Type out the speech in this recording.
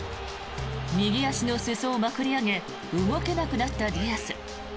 右足の裾をまくり上げ動けなくなったディアス。